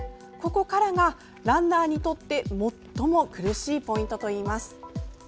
ここからがランナーにとって最も苦しいポイントといいます。